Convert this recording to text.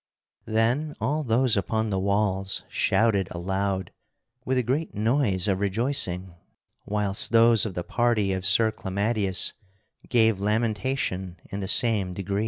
Then all those upon the walls shouted aloud with a great noise of rejoicing, whilst those of the party of Sir Clamadius gave lamentation in the same degree.